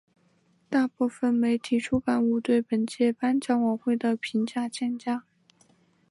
大部分媒体出版物对本届颁奖晚会的评价欠佳。